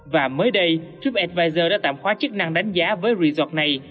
và mới đây tripizer đã tạm khóa chức năng đánh giá với resort này